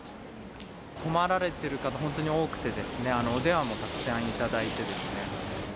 困られている方、本当に多くて、お電話もたくさん頂いてですね。